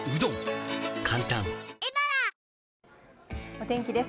お天気です。